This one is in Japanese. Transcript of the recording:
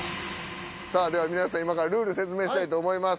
さぁでは皆さん今からルール説明したいと思います。